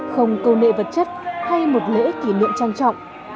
không câu nệ vật chất hay một lễ kỷ niệm trang trọng